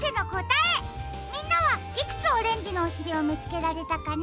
みんなはいくつオレンジのおしりをみつけられたかな？